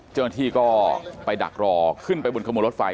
เจ้าหน้าที่ก็ไปดักรอขึ้นไปบนขบวนรถไฟ